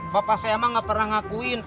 bapak saya emang gak pernah ngakuin